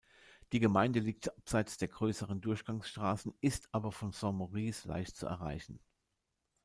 Die Gemeinde liegt abseits der grösseren Durchgangsstrassen, ist aber von Saint-Maurice leicht zu erreichen.